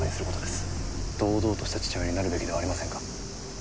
堂々とした父親になるべきではありませんか？